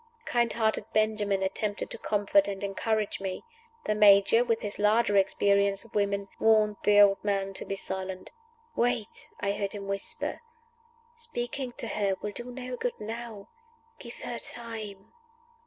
Kind hearted Benjamin attempted to comfort and encourage me. The Major, with his larger experience of women, warned the old man to be silent. "Wait!" I heard him whisper. "Speaking to her will do no good now. Give her time."